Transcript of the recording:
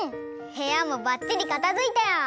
へやもばっちりかたづいたよ。